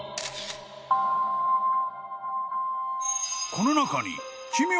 ［この中に］